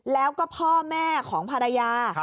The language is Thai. แล้วก็พ่อแม่ของภรรยา